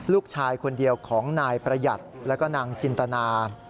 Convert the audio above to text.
ลูกชายคนเดียวของนายประหยัดแล้วก็นางจินตนา